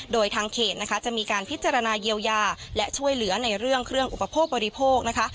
โดยทางเขตนะคะจะมีการพิจารณาเยียวยาและช่วยเหลือในเรื่องเครื่องอุปโภคบริโภคนะคะ